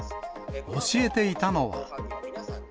教えていたのは。